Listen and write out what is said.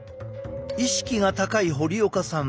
意識が高い堀岡さん。